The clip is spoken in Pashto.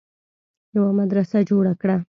يوه مدرسه جوړه کړه